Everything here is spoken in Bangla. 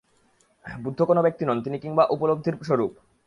বুদ্ধ কোন ব্যক্তি নন, তিনিকিংবা উপলব্ধির স্বরূপ।